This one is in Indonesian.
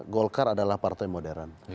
golkar adalah partai modern